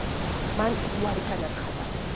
მან უარი განაცხადა.